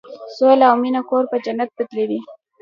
سوله او مینه کور په جنت بدلوي.